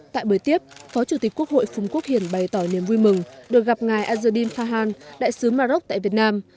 tại buổi tiếp phó chủ tịch quốc hội phùng quốc hiền bày tỏ niềm vui mừng được gặp ngài azadine farhan đại sứ maroc tại việt nam